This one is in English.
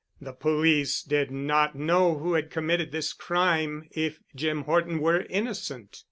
The police did not know who had committed this crime if Jim Horton were innocent.